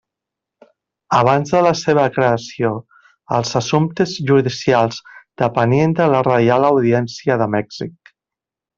Abans de la seva creació, els assumptes judicials depenien de la Reial Audiència de Mèxic.